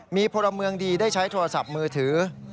มีพลเมืองดีได้ใช้โทรศัพท์มือถือ